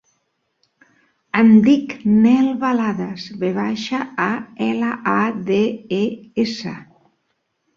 Em dic Nel Valades: ve baixa, a, ela, a, de, e, essa.